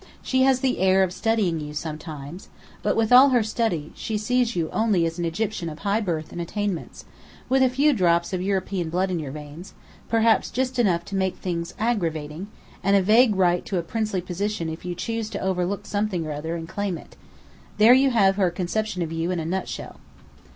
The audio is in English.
She has the air of studying you, sometimes: but with all her study, she sees you only as an Egyptian of high birth and attainments, with a few drops of European blood in your veins, perhaps just enough to make things aggravating, and a vague right to a princely position if you chose to overlook something or other, and claim it. There you have her conception of you, in a nutshell."